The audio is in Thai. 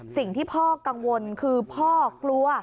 สิ่งที่พ่อกังวลคือพ่อกลัว